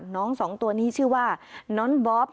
น้อง๒ตัวนี้ชื่อว่านอนบอบ